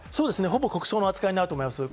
ほぼ国葬の扱いになると思います。